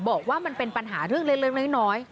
บอกว่ามันเป็นปัญหาเรื่องเล็กน้อย